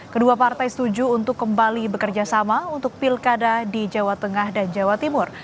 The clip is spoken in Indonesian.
kedua partai setuju untuk kembali bekerja sama untuk pilkada di jawa tengah dan jawa timur